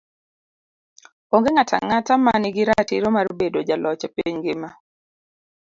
Onge ng'ato ang'ata ma nigi ratiro mar bedo jaloch e piny ngima.